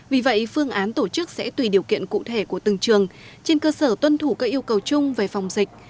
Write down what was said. vì vậy phương án tổ chức sẽ tùy điều kiện cụ thể của từng trường trên cơ sở tuân thủ các yêu cầu chung về phòng dịch